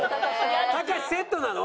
たかしセットなの？